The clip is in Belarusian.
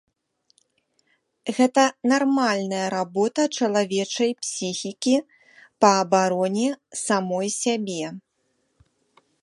Гэта нармальная работа чалавечай псіхікі па абароне самой сябе.